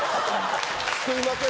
すみません。